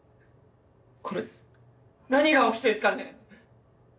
これ何が起きてんすかね。